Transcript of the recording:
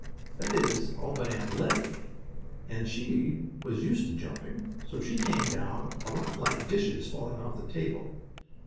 That is all but Aunt Lettie, and she was used to jumping, so she came down like a lot of dishes falling off the table.